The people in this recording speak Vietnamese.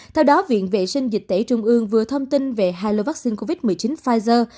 theo đó viện vệ sinh dịch tễ trung ương vừa thông tin về hai lô vaccine covid một mươi chín pfizer